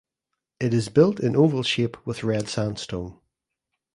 It is built in oval shape with red sandstone.